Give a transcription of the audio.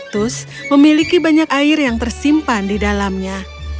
tus memiliki banyak air yang tersimpan di dalamnya